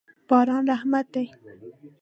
باران رحمت دی.